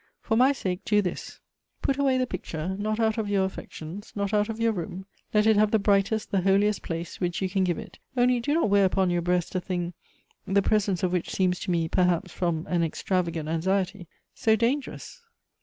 For my sake do this : put away the picture, not out of your affections, not out of your room ; let it have the brightest, the holiest place which you can give it; only do not wear upon your breast a thing, the presence of which seems to me, perhaps from an extrava gant anxiety, so dangerous."